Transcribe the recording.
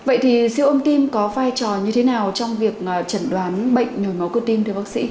vậy thì siêu ôm tim có vai trò như thế nào trong việc chẩn đoán bệnh nhồi máu cơ tim thưa bác sĩ